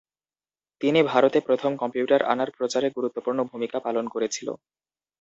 তিনি ভারতে প্রথম কম্পিউটার আনার প্রচারে গুরুত্বপূর্ণ ভূমিকা পালন করেছিল।